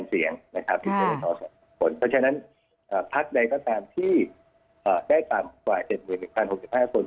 เพราะฉะนั้นพักใดก็ตามที่ได้ต่ำกว่า๗๑๐๖๕คน